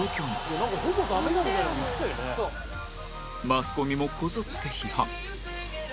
マスコミもこぞって批判